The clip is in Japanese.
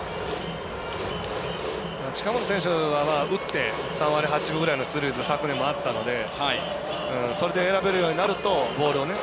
近本選手は打って３割８分ぐらいの出塁率が昨年もあったのでそれで選べるようになるとボールをね。